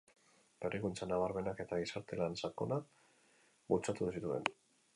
Berrikuntza nabarmenak eta gizarte lan sakonak bultzatu zituen.